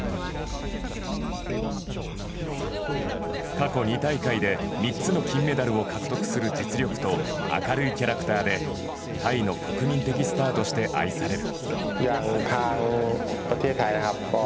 過去２大会で３つの金メダルを獲得する実力と明るいキャラクターでタイの国民的スターとして愛される。